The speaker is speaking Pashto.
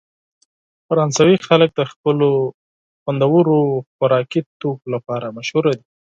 فرانسوي خلک د خپلو خوندورو خوراکي توکو لپاره مشهوره دي.